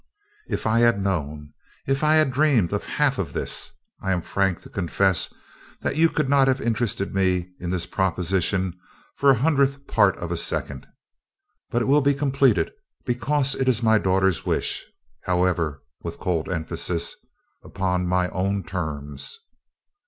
"If I had known if I had dreamed of half of this I am frank to confess that you could not have interested me in this proposition for the hundredth part of a second. But it will be completed because it is my daughter's wish. However," with cold emphasis, "upon my own terms.